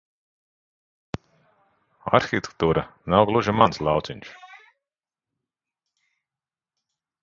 Arhitektūra nav gluži mans lauciņš.